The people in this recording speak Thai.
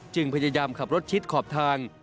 พยายามขับรถชิดขอบทาง